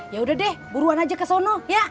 yaudah deh buruan aja ke sono ya